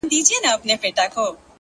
• موږ اصیل یو د اصیل نیکه زامن یو ,